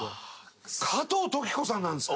加藤登紀子さんなんですか！？